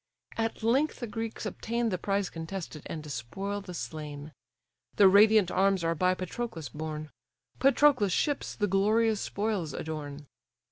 At length the Greeks obtain The prize contested, and despoil the slain. The radiant arms are by Patroclus borne; Patroclus' ships the glorious spoils adorn.